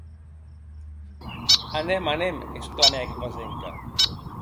Anem, anem!, exclamèc Vasenka.